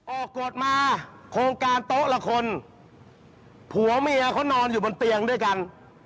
กฎมาโครงการโต๊ะละคนผัวเมียเขานอนอยู่บนเตียงด้วยกัน